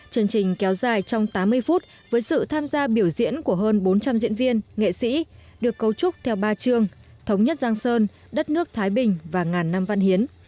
chương trình kéo dài trong tám mươi phút với sự tham gia biểu diễn của hơn bốn trăm linh diễn viên nghệ sĩ được cấu trúc theo ba trường thống nhất giang sơn đất nước thái bình và ngàn năm văn hiến